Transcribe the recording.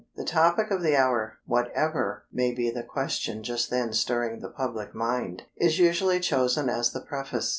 "The Topic of the Hour," whatever may be the question just then stirring the public mind, is usually chosen as the preface.